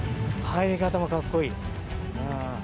入り方もかっこいい。